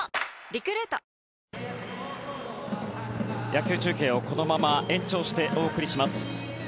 野球中継をこのまま延長してお送りします。